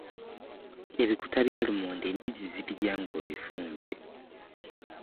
Ebikuta bya lumonde embizzi zibirya nga obifumbye.